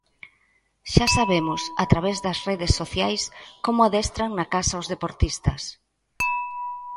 Xa sabemos, a través das redes sociais, como adestran na casa os deportistas.